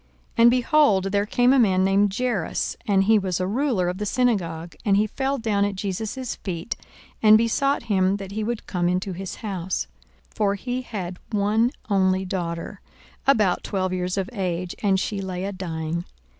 42:008:041 And, behold, there came a man named Jairus, and he was a ruler of the synagogue: and he fell down at Jesus' feet, and besought him that he would come into his house: 42:008:042 For he had one only daughter, about twelve years of age, and she lay a dying.